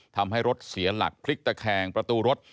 ทำให้รถเสียหลักพลิกตะแคงประตูรถ